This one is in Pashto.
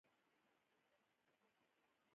هېلۍ ښه نجلۍ وه، خو اوس لږ ورانه شوې